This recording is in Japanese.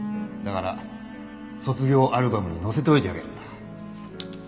だから卒業アルバムに載せておいてあげるんだ。